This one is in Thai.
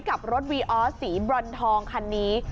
กับรถวีออสสีบรอนทองคันนี้